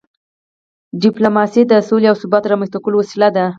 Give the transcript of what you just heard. ډیپلوماسي د سولې او ثبات د رامنځته کولو وسیله ده.